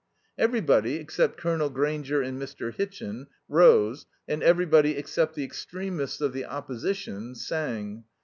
'" Everybody, except Colonel Grainger and Mr. Hitchin, rose, and everybody, except the extremists of the opposition, sang.